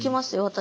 私。